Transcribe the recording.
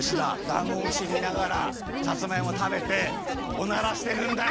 ダンゴムシみながらさつまいもたべておならしてるんだ！